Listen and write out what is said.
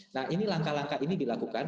nah ini langkah langkah ini dilakukan